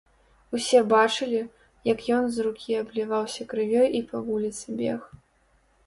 Усе бачылі, як ён з рукі абліваўся крывёй і па вуліцы бег.